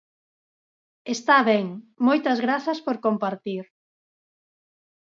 Está ben, moitas grazas por compartir.